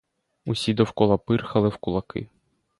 Усі довкола пирхали в кулаки.